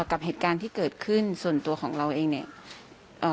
กับเหตุการณ์ที่เกิดขึ้นส่วนตัวของเราเองเนี่ยเอ่อ